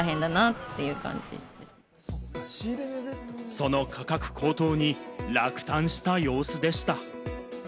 その価格高騰に落胆した様子でした。